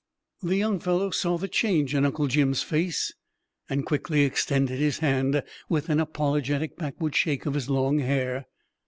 The young fellow saw the change in Uncle Jim's face and quickly extended his hand, with an apologetic backward shake of his long hair.